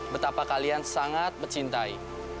betapa kalian sangat mencintai